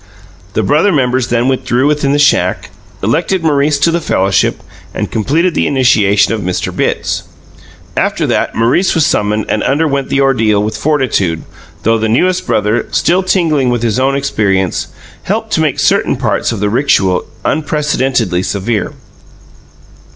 The brother members then withdrew within the shack, elected Maurice to the fellowship, and completed the initiation of Mr. Bitts. After that, Maurice was summoned and underwent the ordeal with fortitude, though the newest brother still tingling with his own experiences helped to make certain parts of the rixual unprecedentedly severe.